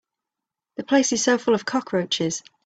The place is so full of cockroaches.